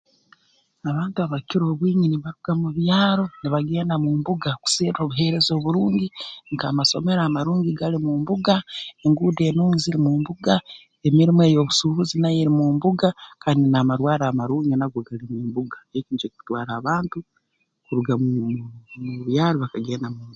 Abantu abakukira obwingi nibaruga mu byaro nibagenda mu mbuga kuserra obuheereza oburungi nk'amasomero amarungi gali mu mbuga enguudo enungi ziri mu mbuga emirimo ey'obusuubuzi nayo eri mu mbuga kandi n'amarwarro amarungi nago gali mu mbuga eki nikyo kikutwara abantu kuruga mu byaro bakagenda mu